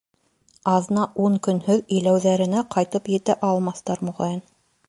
Аҙна-ун көнһөҙ иләүҙәренә ҡайтып етә алмаҫтар, моғайын.